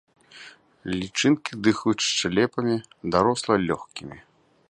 Лічынкі дыхаюць шчэлепамі, дарослыя лёгкімі.